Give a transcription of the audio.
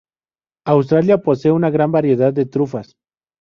Australia posee una gran variedad de trufas.